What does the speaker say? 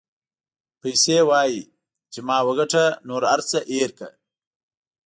پیسې وایي چې ما وګټه نور هر څه هېر کړه.